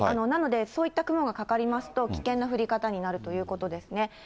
なので、そういった雲がかかりますと、危険な降り方になるということですね。